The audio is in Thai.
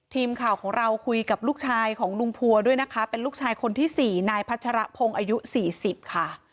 ทีมข่าวของเราคุยกับลูกชายของลุงพัวด้วยนะคะเป็นลูกชายคนที่๔นายพัชรพงศ์อายุ๔๐ค่ะ